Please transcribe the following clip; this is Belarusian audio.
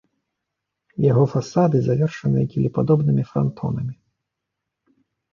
Яго фасады завершаныя кілепадобнымі франтонамі.